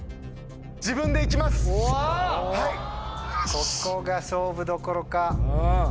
ここが勝負どころか。